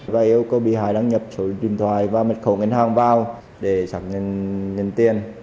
và hiếu có bị hại đăng nhập số điện thoại và mật khẩu ngân hàng vào để sẵn nhận tiền